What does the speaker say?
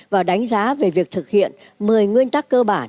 và đánh giá về việc thực hiện một mươi nguyên tắc cơ bản